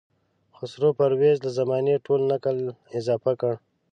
خسرو پرویز له زمانې ټول نکل اضافه کړ.